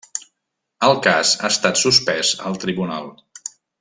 El cas ha estat suspès al tribunal.